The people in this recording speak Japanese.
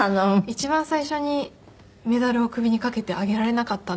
一番最初にメダルを首にかけてあげられなかったんですよね。